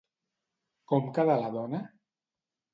Com quedà la dona?